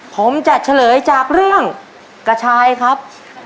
ผมจะเฉลยจากเรื่องกระชายครับ